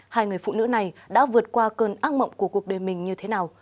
hai người phụ nữ này đã vượt qua cơn ác mộng của cuộc đời mình như thế nào